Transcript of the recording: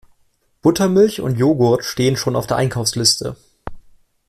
Buttermilch und Jogurt stehen schon auf der Einkaufsliste.